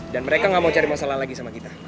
dan mereka gak mau cari masalah lagi sama kita